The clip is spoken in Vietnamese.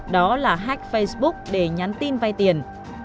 đó là hack facebook để nhắn tin vai tiền